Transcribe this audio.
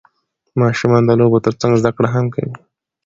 ماشومان د لوبو ترڅنګ زده کړه هم کوي